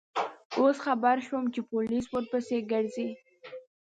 اوس خبر شوم چې پولیس ورپسې گرځي.